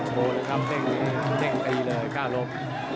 โบล่ะครับเต้นกีเลยก้าลบ